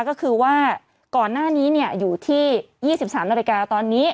ก็คือว่าก่อนหน้านี้อยู่ที่๒๓นาฬิกาตอนนี้